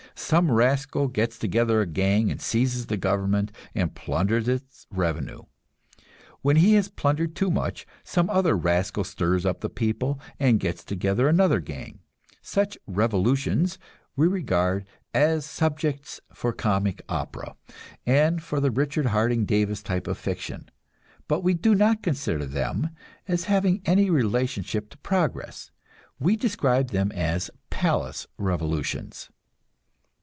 Some rascal gets together a gang, and seizes the government and plunders its revenue. When he has plundered too much, some other rascal stirs up the people, and gets together another gang. Such "revolutions" we regard as subjects for comic opera, and for the Richard Harding Davis type of fiction; but we do not consider them as having any relationship to progress. We describe them as "palace" revolutions.